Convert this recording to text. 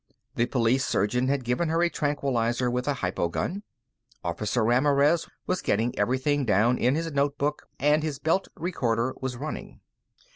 The police surgeon had given her a tranquilizer with a hypogun, Officer Ramirez was getting everything down in his notebook, and his belt recorder was running.